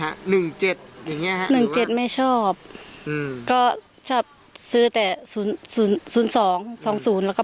๑๗อย่างเงี้ยหรือว่า๑๗ไม่ชอบก็ซื้อแต่๐๒๐๐แล้วก็๘๒